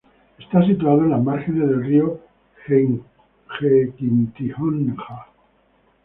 Está situado en los márgenes del río Jequitinhonha.